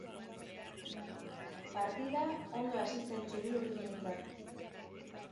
Partida ondo hasi zen txuri-urdinentzat.